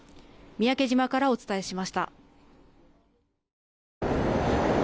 三宅島からお伝えしました。